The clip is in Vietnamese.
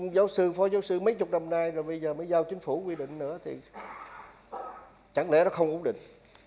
giáo sư phó giáo sư mấy chục năm nay rồi bây giờ mới giao chính phủ quy định nữa thì chẳng lẽ nó không ổn định